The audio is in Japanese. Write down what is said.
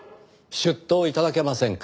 出頭頂けませんか？